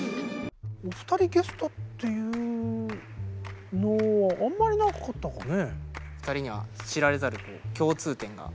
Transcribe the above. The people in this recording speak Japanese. お二人ゲストっていうのはあんまりなかったかね。